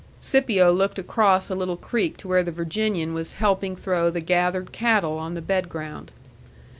Scipio looked across a little creek to where the Virginian was helping throw the gathered cattle on the bedground.